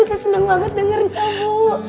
aduh bu saya seneng banget dengernya bu